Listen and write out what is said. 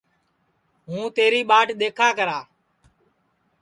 ہُوں تیری ٻاٹ دؔیکھا کرا